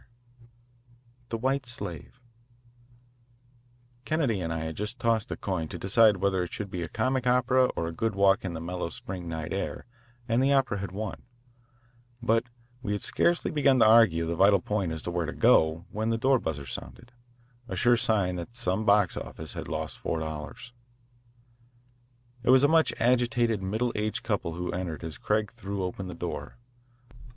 VII THE WHITE SLAVE Kennedy and I had just tossed a coin to decide whether it should be a comic opera or a good walk in the mellow spring night air and the opera had won, but we had scarcely begun to argue the vital point as to where to go, when the door buzzer sounded a sure sign that some box office had lost four dollars. It was a much agitated middle aged couple who entered as Craig threw open the door.